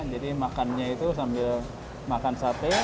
jadi makannya itu sambil makan sate